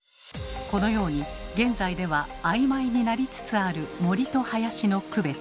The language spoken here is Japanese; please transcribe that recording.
このように現在では曖昧になりつつある森と林の区別。